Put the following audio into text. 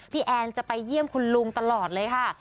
แอนจะไปเยี่ยมคุณลุงตลอดเลยค่ะ